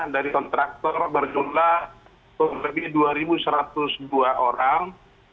dari kontraktor berjumlah lebih dua satu ratus dua orang